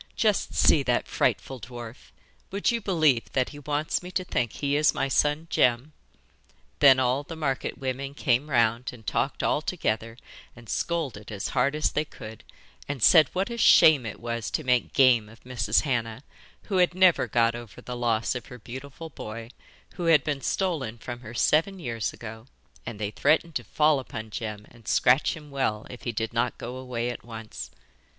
'Just see that frightful dwarf would you believe that he wants me to think he is my son Jem?' Then all the market women came round and talked all together and scolded as hard as they could, and said what a shame it was to make game of Mrs. Hannah, who had never got over the loss of her beautiful boy, who had been stolen from her seven years ago, and they threatened to fall upon Jem and scratch him well if he did not go away at once.